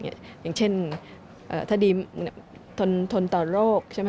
อย่างเช่นถ้าดีทนต่อโรคใช่ไหม